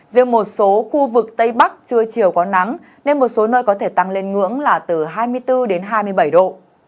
riêng một số khu vực tây bắc chưa chiều có nắng nên một số nơi có thể tăng lên ngưỡng là từ hai mươi bốn đến hai mươi bảy độ